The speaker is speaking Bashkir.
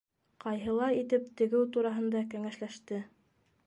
Ҡайһылай итеп тегеү тураһында кәңәшләште.